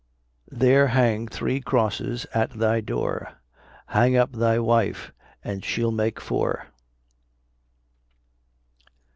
There hang three crosses at thy door: Hang up thy wife, and she'll make four.